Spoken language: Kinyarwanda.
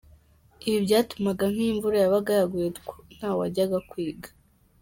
Ibi byatumaga nk’iyo imvura yabaga yaguye ntawajyaga kwiga.